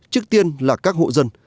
trước tiên là các hộ dân